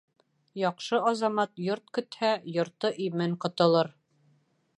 Яҡшы азамат йорт көтһә, йорто имен ҡотолор.